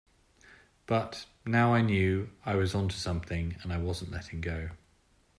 But, now I knew I was onto something, and I wasn't letting go.